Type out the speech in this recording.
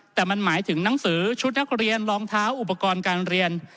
แต่มันหมายถึงหนังสือชุดนักเรียนรองเท้าอุปกรณ์การเรียน